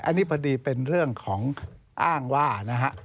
อันนี้พอดีเป็นเรื่องของอ้างว่านะฮะ